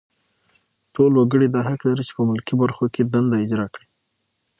ټول وګړي دا حق لري چې په ملکي برخو کې دنده اجرا کړي.